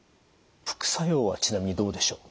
副作用はちなみにどうでしょう？